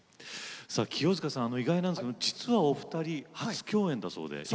清塚さん、意外なんですが実はお二人、初共演だそうですね。